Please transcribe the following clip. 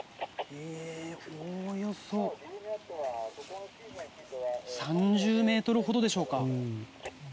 おおよそ３０ｍほどでしょうか。